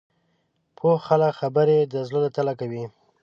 پوه خلک خبرې د زړه له تله کوي